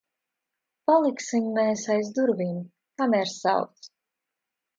Paliksim mēs aiz durvīm, kamēr sauc.